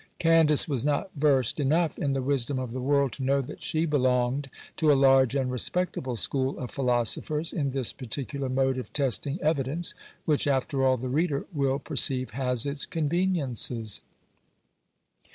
Candace was not versed enough in the wisdom of the world to know that she belonged to a large and respectable school of philosophers in this particular mode of testing evidence, which, after all, the reader will perceive has its conveniences.